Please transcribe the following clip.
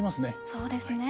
そうですね。